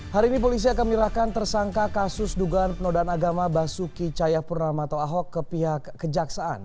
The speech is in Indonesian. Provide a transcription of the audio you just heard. hari ini polisi akan menyerahkan tersangka kasus dugaan penodaan agama basuki cayapurnama atau ahok ke pihak kejaksaan